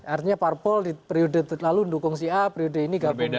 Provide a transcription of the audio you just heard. artinya parpol di periode lalu mendukung si a periode ini gabung b